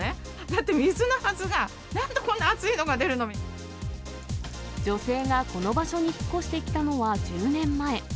だって水のはずが、女性がこの場所に引っ越してきたのは１０年前。